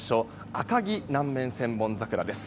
赤城南面千本桜です。